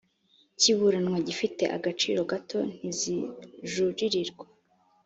kiburanwa gifite agaciro gato ntizijuririrwa